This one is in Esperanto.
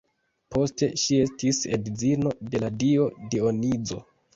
Poste ŝi estis edzino de la dio Dionizo.